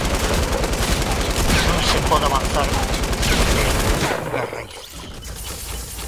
Non se pode avanzar sen ter unha raíces.